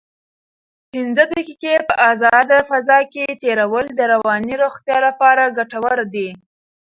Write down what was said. پنځه دقیقې په ازاده فضا کې تېرول د رواني روغتیا لپاره ګټور دي.